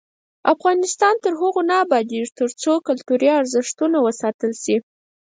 افغانستان تر هغو نه ابادیږي، ترڅو کلتوري ارزښتونه وساتل شي.